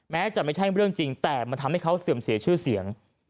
แม้จะไม่ใช่เรื่องจริงแต่มันทำให้เขาเสื่อมเสียชื่อเสียง